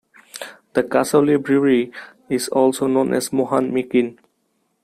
The Kasauli brewery is also known as Mohan Meakin.